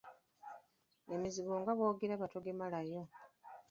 Emizigo nga bwogibala togimalayo.